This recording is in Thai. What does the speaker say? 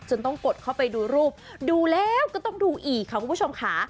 ต้องกดเข้าไปดูรูปดูแล้วก็ต้องดูอีกค่ะคุณผู้ชมค่ะ